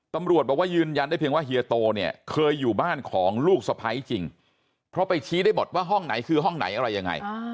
ตำรวจบอกว่ายืนยันได้เพียงว่าเฮียโตเนี่ยเคยอยู่บ้านของลูกสะพ้ายจริงเพราะไปชี้ได้หมดว่าห้องไหนคือห้องไหนอะไรยังไง